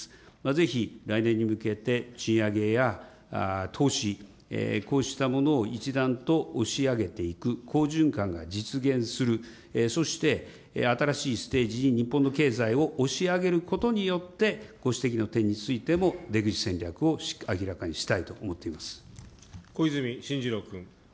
ぜひ来年に向けて賃上げや投資、こうしたものを一段と押し上げていく好循環が実現するそして新しいステージに日本の経済を押し上げることによって、ご指摘の点についても出口戦略を明らかにしたいと思っています。